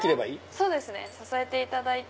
そうですね支えていただいて。